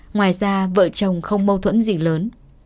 ngoài ra vợ chồng không mâu thuẫn gì lớn